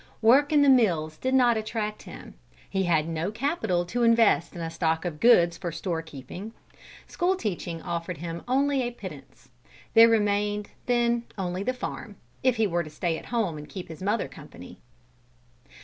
Work in the mills did not attract him; he had no capital to invest in a stock of goods for store keeping; school teaching offered him only a pittance; there remained then only the farm, if he were to stay at home and keep his mother company.